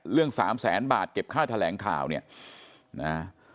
สามแสนบาทเก็บค่าแถลงข่าวเนี่ยนะ